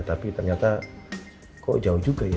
tapi ternyata kok jauh juga ya